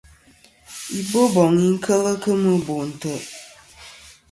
I Boboŋ i boŋ kel kemɨ bò ntè'.